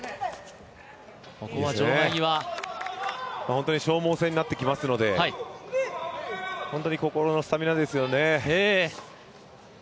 本当に消耗戦になってきますので心のスタミナですよね。